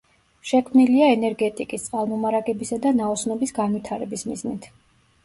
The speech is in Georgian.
შექმნილია ენერგეტიკის, წყალმომარაგებისა და ნაოსნობის განვითარების მიზნით.